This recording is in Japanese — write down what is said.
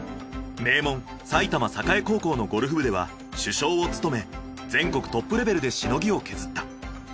名門埼玉栄高校のゴルフ部では主将を務め全国トップレベルでしのぎを削った。